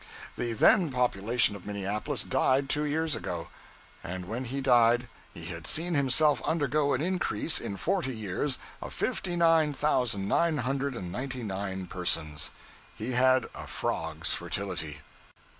The then population of Minneapolis died two years ago; and when he died he had seen himself undergo an increase, in forty years, of fifty nine thousand nine hundred and ninety nine persons. He had a frog's fertility.